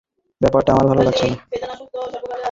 এই ঘোর-ঘোর ব্যাপারটা আমার ভালো লাগছে না।